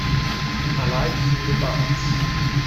A Life in the Balance